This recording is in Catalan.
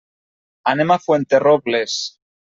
Anem a Fuenterrobles.